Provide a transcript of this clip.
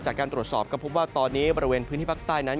จากการตรวจสอบก็พบว่าตอนนี้บริเวณพื้นที่ภาคใต้นั้น